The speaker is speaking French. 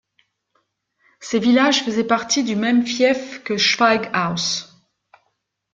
Ces villages faisaient partie du même fief que Schweighouse.